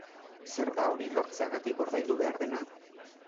Zer da hori lortzeagatik ordaindu behar dena?